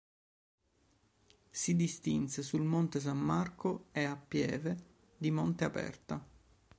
Si distinse sul Monte San Marco e a Pieve di Monte Aperta.